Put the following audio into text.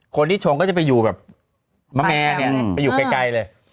คนที่ชงก็จะไปอยู่แบบมะแม่เนี่ยไปอยู่ไกลเลย